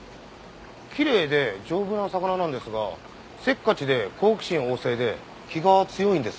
きれいで丈夫な魚なんですがせっかちで好奇心旺盛で気が強いんです。